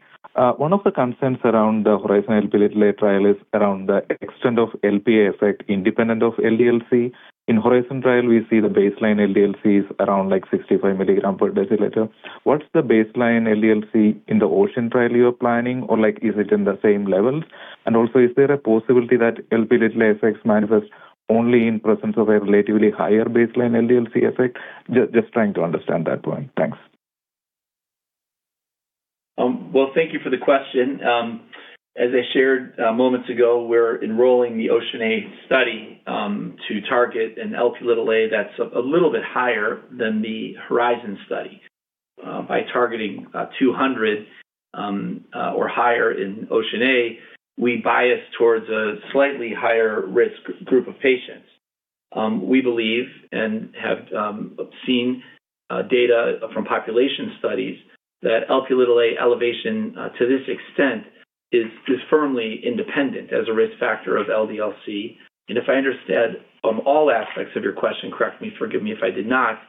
S14: One of the concerns around the HORIZON Lp(a) trial is around the extent of Lp(a) effect independent of LDL-C. In HORIZON trial, we see the baseline LDL-C is around 65 mg/dL. What's the baseline LDL-C in the OCEAN(a) trial you're planning? Is it in the same levels? Also, is there a possibility that Lp(a) effects manifest only in presence of a relatively higher baseline LDL-C effect? Just trying to understand that point. Thanks.
S5: Well, thank you for the question. As I shared moments ago, we're enrolling the OCEAN(a) study to target an Lp(a) that's a little bit higher than the HORIZON study. By targeting 200 or higher in OCEAN(a), we bias towards a slightly higher risk group of patients. We believe, and have seen data from population studies, that Lp(a) elevation, to this extent, is firmly independent as a risk factor of LDL-C. If I understood all aspects of your question, correct me, forgive me if I did not,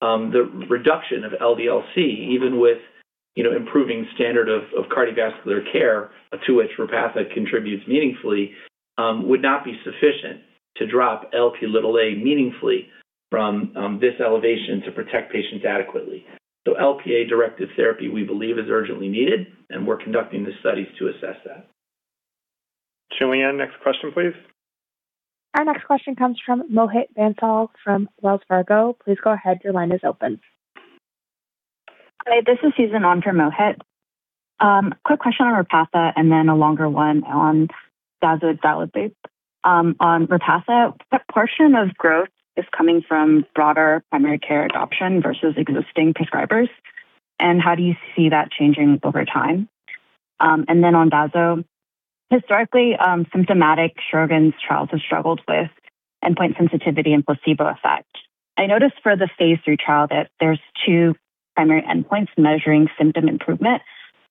S5: the reduction of LDL-C, even with improving standard of cardiovascular care, to which Repatha contributes meaningfully would not be sufficient to drop Lp(a) meaningfully from this elevation to protect patients adequately. Lp(a) directed therapy, we believe, is urgently needed, and we're conducting the studies to assess that.
S2: Julianne, next question, please.
S1: Our next question comes from Mohit Bansal from Wells Fargo. Please go ahead. Your line is open.
S15: Hi, this is Susan on for Mohit. Quick question on Repatha and then a longer one on dazodalibep. On Repatha, what portion of growth is coming from broader primary care adoption versus existing prescribers, and how do you see that changing over time? On dazo, historically, symptomatic Sjögren's trials have struggled with endpoint sensitivity and placebo effect. I noticed for the phase III trial that there's two primary endpoints measuring symptom improvement.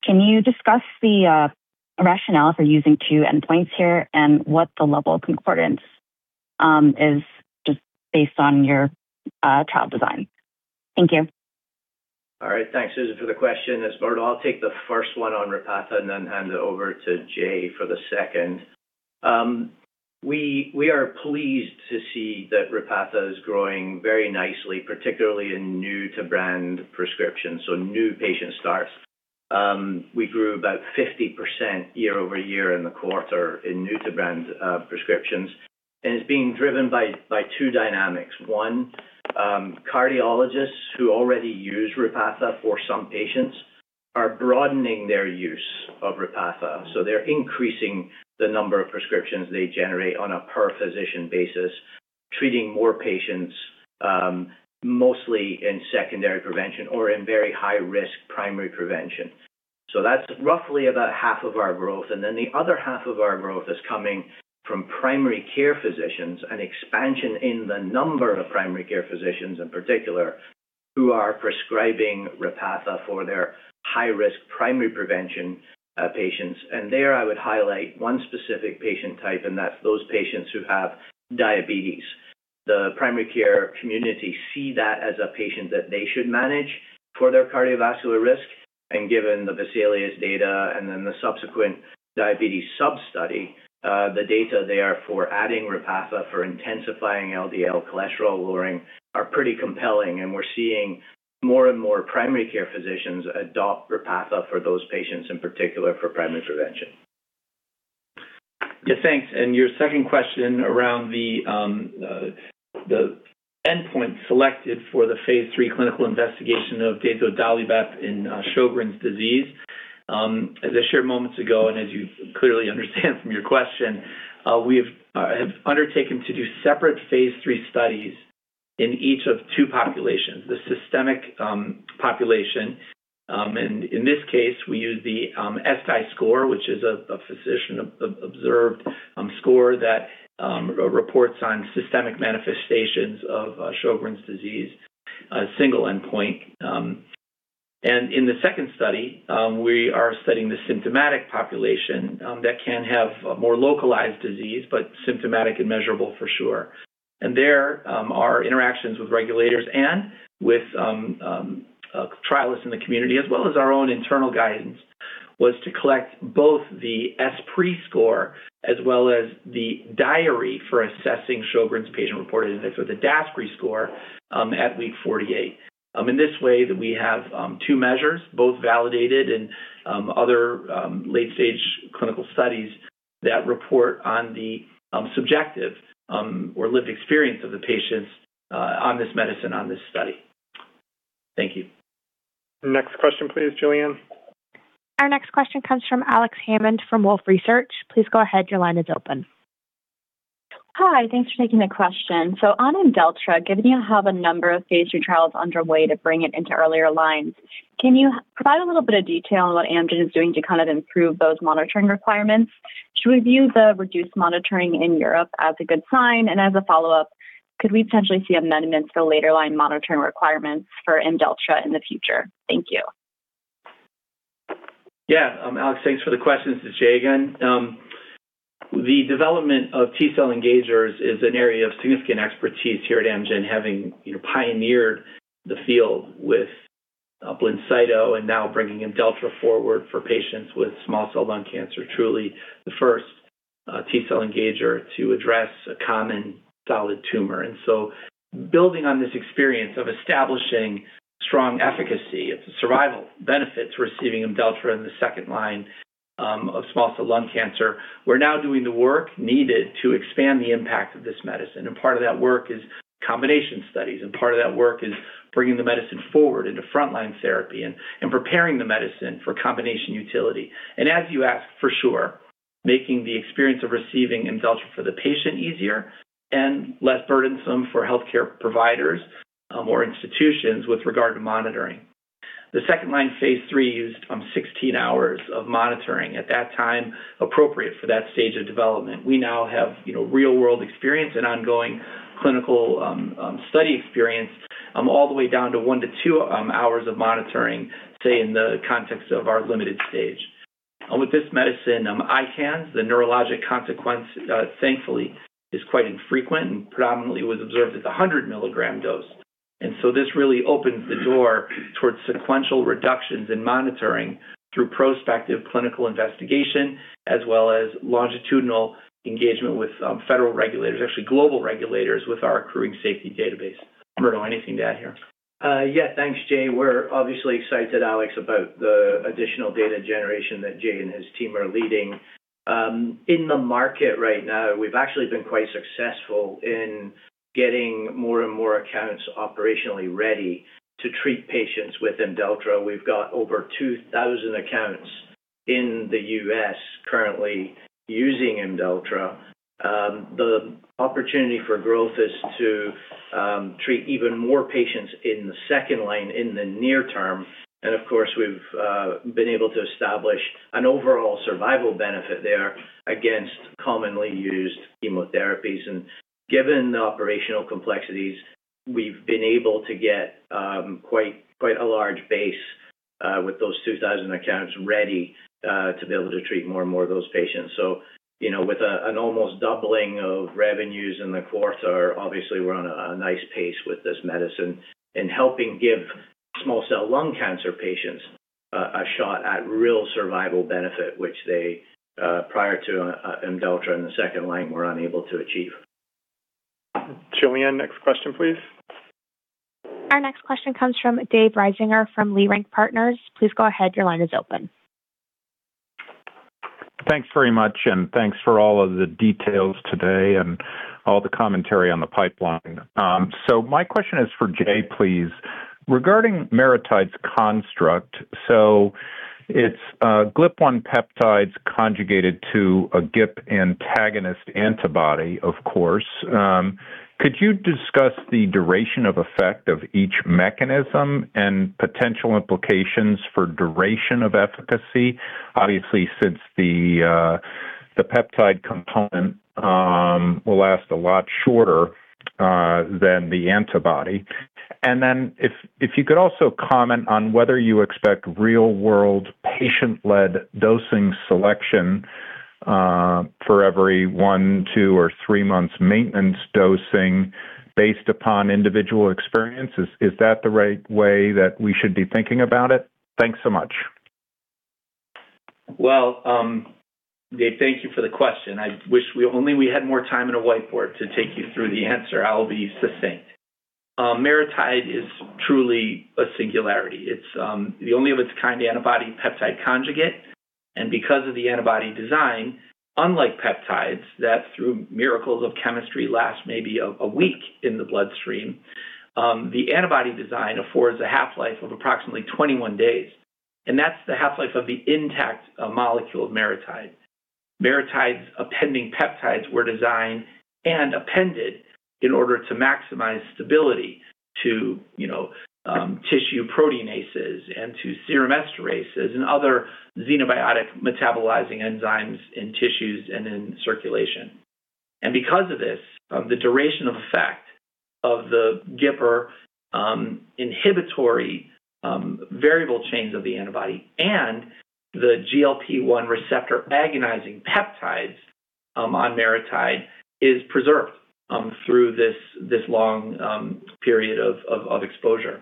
S15: Can you discuss the rationale for using two endpoints here and what the level of concordance is just based on your trial design? Thank you.
S4: All right. Thanks, Susan, for the question. It's Murdo. I'll take the first one on Repatha and then hand it over to Jay for the second. We are pleased to see that Repatha is growing very nicely, particularly in new-to-brand prescriptions, so new patient starts. We grew about 50% year-over-year in the quarter in new to brand prescriptions. It's being driven by two dynamics. One, cardiologists who already use Repatha for some patients are broadening their use of Repatha. They're increasing the number of prescriptions they generate on a per-physician basis, treating more patients, mostly in secondary prevention or in very high-risk primary prevention. That's roughly about half of our growth, the other half of our growth is coming from primary care physicians and expansion in the number of primary care physicians in particular, who are prescribing Repatha for their high-risk primary prevention patients. There I would highlight one specific patient type, and that's those patients who have diabetes. The primary care community see that as a patient that they should manage for their cardiovascular risk. Given the VESALIUS data and the subsequent diabetes sub-study, the data there for adding Repatha for intensifying LDL cholesterol lowering are pretty compelling, and we're seeing more and more primary care physicians adopt Repatha for those patients, in particular for primary prevention.
S5: Yeah, thanks. Your second question around the endpoint selected for the phase III clinical investigation of dazodalibep in Sjögren's disease. As I shared moments ago, as you clearly understand from your question, we have undertaken to do separate phase III studies in each of two populations, the systemic population, and in this case, we use the ESSDAI score, which is a physician-observed score that reports on systemic manifestations of Sjögren's disease, a single endpoint. In the second study, we are studying the symptomatic population that can have a more localized disease, but symptomatic and measurable for sure. There, our interactions with regulators and with trialists in the community, as well as our own internal guidance, was to collect both the ESSPRI score as well as the diary for assessing Sjögren's patient-reported index, or the ESSPRI score, at week 48. In this way that we have two measures, both validated in other late-stage clinical studies that report on the subjective or lived experience of the patients on this medicine, on this study. Thank you.
S2: Next question, please, Julianne.
S1: Our next question comes from Alex Hammond from Wolfe Research. Please go ahead. Your line is open.
S16: Hi. Thanks for taking the question. On IMDELLTRA, given you have a number of phase III trials underway to bring it into earlier lines, can you provide a little bit of detail on what Amgen is doing to improve those monitoring requirements? Should we view the reduced monitoring in Europe as a good sign? As a follow-up, could we potentially see amendments for later line monitoring requirements for IMDELLTRA in the future? Thank you.
S5: Yeah. Alex, thanks for the question. This is Jay again. The development of T-cell engagers is an area of significant expertise here at Amgen, having pioneered the field with BLINCYTO and now bringing IMDELLTRA forward for patients with small cell lung cancer, truly the first T-cell engager to address a common solid tumor. Building on this experience of establishing strong efficacy of the survival benefits receiving IMDELLTRA in the second line of small cell lung cancer, we're now doing the work needed to expand the impact of this medicine, part of that work is combination studies, part of that work is bringing the medicine forward into frontline therapy and preparing the medicine for combination utility. As you ask, for sure, making the experience of receiving IMDELLTRA for the patient easier and less burdensome for healthcare providers or institutions with regard to monitoring. The second-line phase III used 16 hours of monitoring. At that time, appropriate for that stage of development. We now have real-world experience and ongoing clinical study experience all the way down to one to two hours of monitoring, say in the context of our limited stage. With this medicine, ICANS, the neurologic consequence, thankfully, is quite infrequent and predominantly was observed at the 100-milligram dose. This really opens the door towards sequential reductions in monitoring through prospective clinical investigation as well as longitudinal engagement with federal regulators, actually global regulators, with our accruing safety database. Murdo, anything to add here?
S4: Yeah. Thanks, Jay. We're obviously excited, Alex, about the additional data generation that Jay and his team are leading. In the market right now, we've actually been quite successful in getting more and more accounts operationally ready to treat patients with IMDELLTRA. We've got over 2,000 accounts in the U.S. currently using IMDELLTRA. The opportunity for growth is to treat even more patients in the second line in the near term. Of course, we've been able to establish an overall survival benefit there against commonly used chemotherapies. Given the operational complexities, we've been able to get quite a large base with those 2,000 accounts ready to be able to treat more and more of those patients. With an almost doubling of revenues in the quarter, obviously, we're on a nice pace with this medicine and helping give small cell lung cancer patients a shot at real survival benefit, which they, prior to IMDELLTRA in the second line, were unable to achieve.
S2: Julianne, next question, please.
S1: Our next question comes from David Risinger of Leerink Partners. Please go ahead. Your line is open.
S17: Thanks very much, and thanks for all of the details today and all the commentary on the pipeline. My question is for Jay, please. Regarding MariTide's construct, it's GLP-1 peptides conjugated to a GIP antagonist antibody, of course. Could you discuss the duration of effect of each mechanism and potential implications for duration of efficacy? Obviously, since the peptide component will last a lot shorter than the antibody. Then if you could also comment on whether you expect real-world patient-led dosing selection for every one, two, or three months maintenance dosing based upon individual experiences. Is that the right way that we should be thinking about it? Thanks so much.
S5: Well, Dave, thank you for the question. I wish we had more time and a whiteboard to take you through the answer. I'll be succinct. MariTide is truly a singularity. It's the only of its kind antibody peptide conjugate, because of the antibody design, unlike peptides, that through miracles of chemistry last maybe a week in the bloodstream, the antibody design affords a half-life of approximately 21 days, that's the half-life of the intact molecule of MariTide. MariTide's appending peptides were designed and appended in order to maximize stability to tissue proteinases and to serum esterases and other xenobiotic metabolizing enzymes in tissues and in circulation. Because of this, the duration of effect of the GIPR inhibitory variable chains of the antibody and the GLP-1 receptor agonizing peptides on MariTide is preserved through this long period of exposure.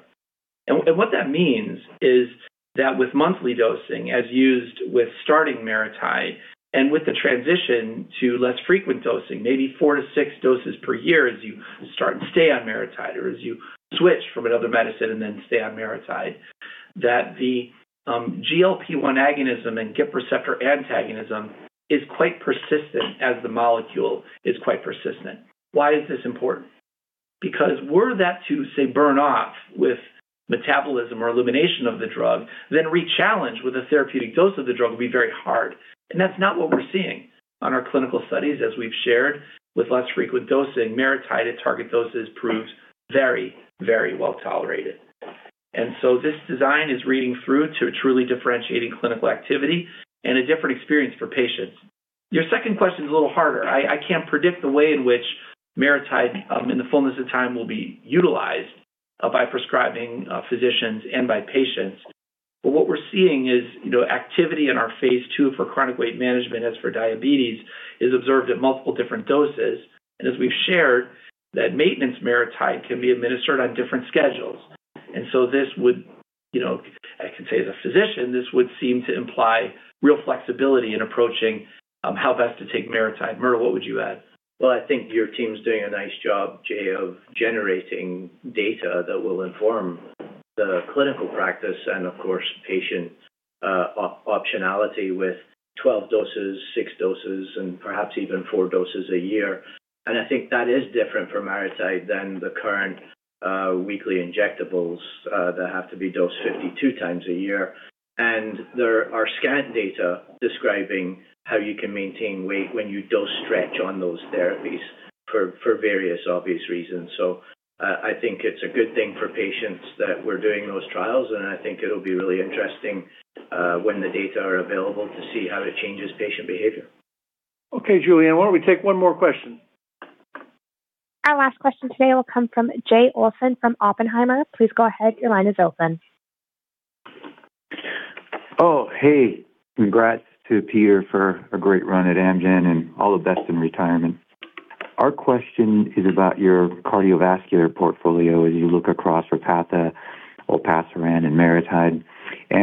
S5: What that means is that with monthly dosing, as used with starting MariTide, and with the transition to less frequent dosing, maybe four to six doses per year as you start and stay on MariTide or as you switch from another medicine and then stay on MariTide, that the GLP-1 agonism and GIP receptor antagonism is quite persistent as the molecule is quite persistent. Why is this important? Because were that to, say, burn off with metabolism or elimination of the drug, then re-challenge with a therapeutic dose of the drug would be very hard. That's not what we're seeing on our clinical studies, as we've shared, with less frequent dosing, MariTide at target doses proves very well tolerated. This design is reading through to a truly differentiating clinical activity and a different experience for patients. Your second question is a little harder. I can't predict the way in which MariTide, in the fullness of time, will be utilized by prescribing physicians and by patients. What we're seeing is activity in our phase II for chronic weight management, as for diabetes, is observed at multiple different doses. As we've shared, that maintenance MariTide can be administered on different schedules. This would, I can say as a physician, this would seem to imply real flexibility in approaching how best to take MariTide. Murdo, what would you add?
S4: Well, I think your team's doing a nice job, Jay, of generating data that will inform the clinical practice and, of course, patient optionality with 12 doses, six doses, and perhaps even four doses a year. I think that is different for MariTide than the current weekly injectables that have to be dosed 52 times a year. There are scant data describing how you can maintain weight when you dose stretch on those therapies for various obvious reasons. I think it's a good thing for patients that we're doing those trials, and I think it'll be really interesting when the data are available to see how it changes patient behavior.
S3: Okay, Julianne, why don't we take one more question?
S1: Our last question today will come from Jay Olson from Oppenheimer. Please go ahead. Your line is open.
S18: Oh, hey. Congrats to Peter for a great run at Amgen and all the best in retirement. Our question is about your cardiovascular portfolio as you look across Repatha, olpasiran, and MariTide. How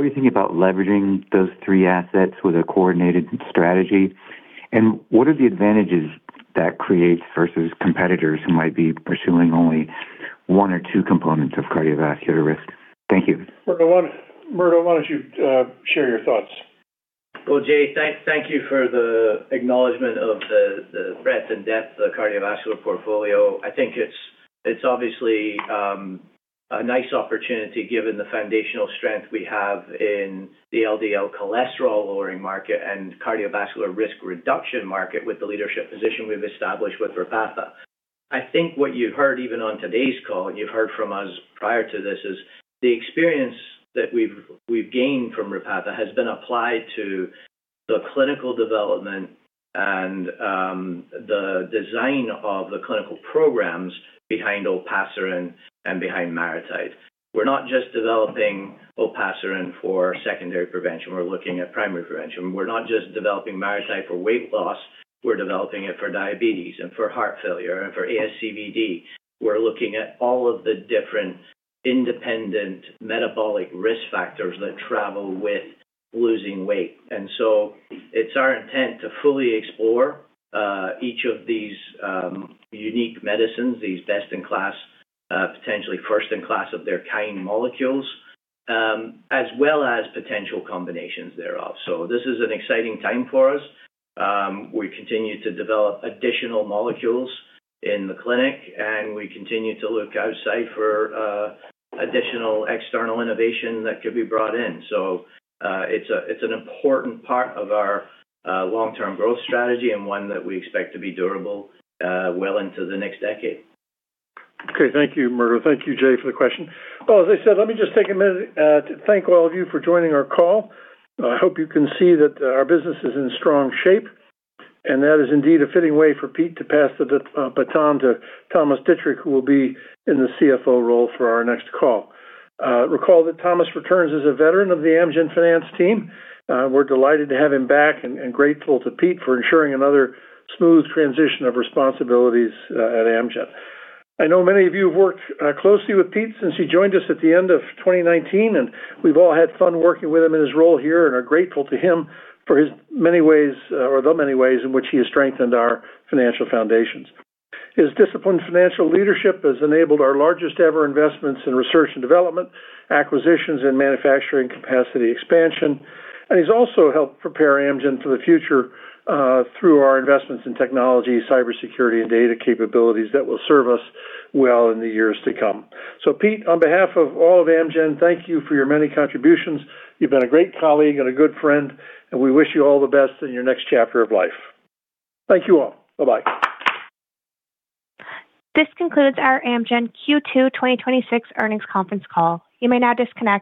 S18: are you thinking about leveraging those three assets with a coordinated strategy, and what are the advantages that creates versus competitors who might be pursuing only one or two components of cardiovascular risk? Thank you.
S3: Murdo, why don't you share your thoughts?
S4: Well, Jay, thank you for the acknowledgment of the breadth and depth of the cardiovascular portfolio. I think it's obviously a nice opportunity given the foundational strength we have in the LDL cholesterol-lowering market and cardiovascular risk reduction market with the leadership position we've established with Repatha. I think what you've heard, even on today's call, and you've heard from us prior to this, is the experience that we've gained from Repatha has been applied to the clinical development and the design of the clinical programs behind olpasiran and behind MariTide. We're not just developing olpasiran for secondary prevention. We're looking at primary prevention. We're not just developing MariTide for weight loss. We're developing it for diabetes and for heart failure and for ASCVD. We're looking at all of the different independent metabolic risk factors that travel with losing weight. It's our intent to fully explore each of these unique medicines, these best in class, potentially first in class of their kind molecules, as well as potential combinations thereof. This is an exciting time for us. We continue to develop additional molecules in the clinic, and we continue to look outside for additional external innovation that could be brought in. It's an important part of our long-term growth strategy and one that we expect to be durable well into the next decade.
S3: Okay, thank you, Murdo. Thank you, Jay, for the question. Well, as I said, let me just take a minute to thank all of you for joining our call. I hope you can see that our business is in strong shape, and that is indeed a fitting way for Pete to pass the baton to Thomas Dietrich, who will be in the CFO role for our next call. Recall that Thomas returns as a veteran of the Amgen finance team. We're delighted to have him back and grateful to Pete for ensuring another smooth transition of responsibilities at Amgen. I know many of you have worked closely with Pete since he joined us at the end of 2019, and we've all had fun working with him in his role here and are grateful to him for his many ways, or the many ways in which he has strengthened our financial foundations. His disciplined financial leadership has enabled our largest ever investments in research and development, acquisitions, and manufacturing capacity expansion, and he's also helped prepare Amgen for the future through our investments in technology, cybersecurity, and data capabilities that will serve us well in the years to come. Pete, on behalf of all of Amgen, thank you for your many contributions. You've been a great colleague and a good friend, and we wish you all the best in your next chapter of life. Thank you all. Bye-bye.
S1: This concludes our Amgen Q2 2026 earnings conference call. You may now disconnect